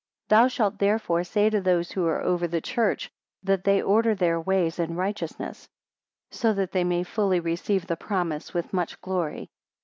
16 Thou shalt therefore say to those who are over the church, that they order their ways in righteousness; so that they may fully receive the promise with much glory.